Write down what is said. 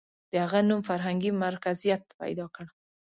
• د هغه نوم فرهنګي مرکزیت پیدا کړ.